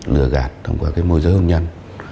lừa gạt thông qua cái mối giới hôn nhân